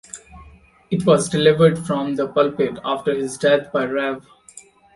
It was delivered from the pulpit after his death by Rev.